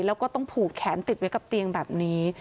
แล้วก็ต้องผูกแขนติดไว้กับเตียงแบบนี้